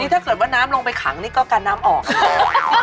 ถ้าเกิดว่าน้ำลงไปขังนี่ก็กันน้ำออกค่ะ